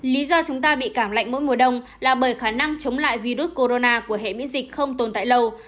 lý do chúng ta bị cảm lạnh mỗi mùa đông là bởi khả năng chống lại virus corona của hệ miễn dịch không tồn tại lâu